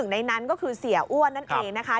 ในนั้นก็คือเสียอ้วนนั่นเองนะคะ